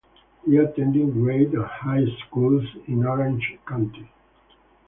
He attended grade and high schools in Orange County.